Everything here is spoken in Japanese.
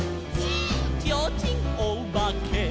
「ちょうちんおばけ」「」